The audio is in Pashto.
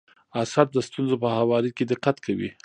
اسد د ستونزو په هواري کي دقت کوي.